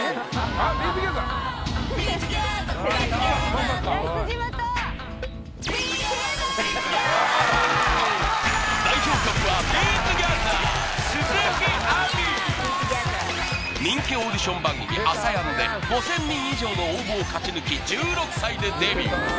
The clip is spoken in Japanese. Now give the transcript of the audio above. まずは代表曲は「ＢＥＴＯＧＥＴＨＥＲ」人気オーディション番組「ＡＳＡＹＡＮ」で５０００人以上の応募を勝ち抜き１６歳でデビュー